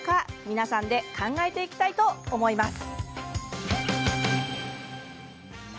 皆さんで考えていきたいと思います。